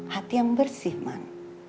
hati yang bersih man